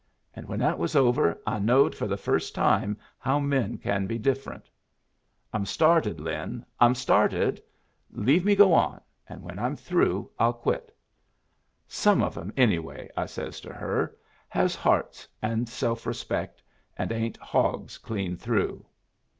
And when that was over, I knowed for the first time how men can be different.' I'm started, Lin, I'm started. Leave me go on, and when I'm through I'll quit. 'Some of 'em, anyway,' I says to her, 'has hearts and self respect, and ain't hogs clean through.'